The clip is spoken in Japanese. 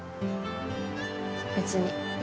別に。